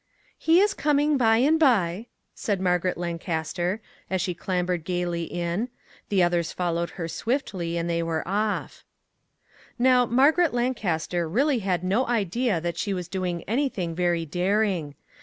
" He is coming by and by," said Margaret Lancaster, as she clambered gaily in ; the others followed her swiftly, and they were off. Now, Margaret Lancaster really had no idea that she was doing anything very daring.